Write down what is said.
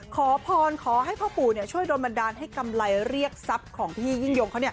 ขอพรขอให้พ่อปู่ช่วยโดนบันดาลให้กำไรเรียกทรัพย์ของพี่ยิ่งยงเขา